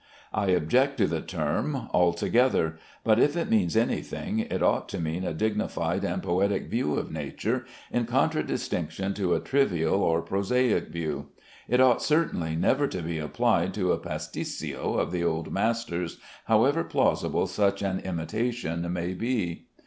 I object to the term altogether; but if it means any thing, it ought to mean a dignified and poetic view of nature, in contradistinction to a trivial or prosaic view. It ought certainly never to be applied to a pasticcio of the old masters, however plausible such an imitation may be.